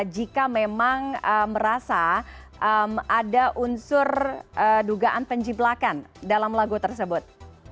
jika memang merasa ada unsur dugaan penjiblakan dalam lagu tersebut